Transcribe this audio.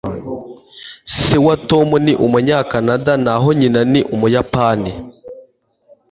se wa tom ni umunyakanada naho nyina ni umuyapani